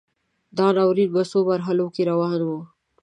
دا ناورین په څو مرحلو کې روان و.